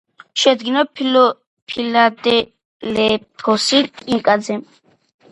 შეადგინა ფილადელფოს კიკნაძემ.